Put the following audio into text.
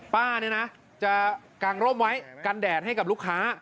ป้าเนี่ยนะจะกางร่มไว้กันแดดให้กับลูกค้า